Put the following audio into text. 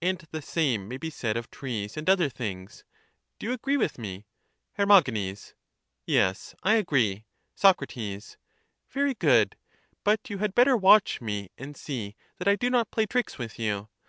And the same may be said of trees and other things. Do you agree with me? Her. Yes, I agree. Soc. Very good. But you had better watch me and see The addition that I do not play tricks with you.